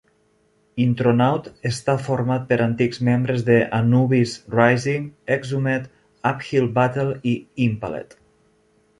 Intronaut està format per antics membres de Anubis Rising, Exhumed, Uphill Battle i Impaled.